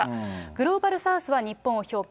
グローバルサウスは日本を評価。